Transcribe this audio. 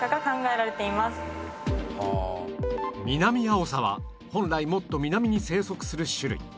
ミナミアオサは本来もっと南に生息する種類